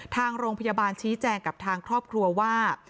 ทางโรงพยาบาลชี้แจงกับทางครอบครัวว่า